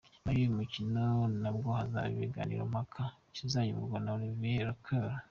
Nyuma y’uyu mukino nabwo hazaba ikiganiro mpaka kizayoborwa na Olivier Lecour .